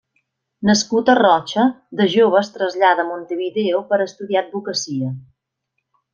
Nascut a Rocha, de jove es trasllada a Montevideo per estudiar advocacia.